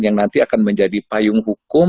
yang nanti akan menjadi payung hukum